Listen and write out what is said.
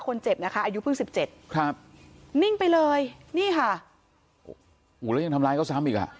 คนเจ็บนะคะอายุเพิ่งสิบเจ็ดครับนิ่งไปเลยนี่ค่ะโอ้โหแล้วยังทำร้ายเขาซ้ำอีกอ่ะ